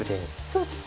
そうです。